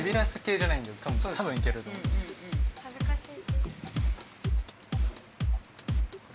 恥ずかしい。